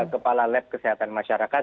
kepala lab kesehatan masyarakat